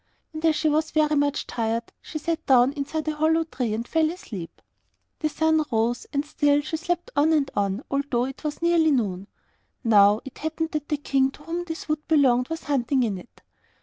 And as she was very much tired she sat down inside a hollow tree and fell asleep. The sun rose and she still slept on and on, although it was nearly noon. Now, it happened that the king to whom this wood belonged was hunting in it.